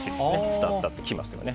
伝わったと聞きました。